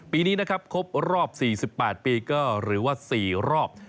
ปีนี้นะครับครบรอบ๔๘ปีก็หรือว่า๔รอบ